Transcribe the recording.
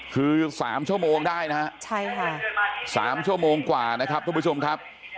คือ๓ชั่วโมงได้นะฮะใช่ค่ะ๓ชั่วโมงกว่านะครับทุกผู้ชมครับ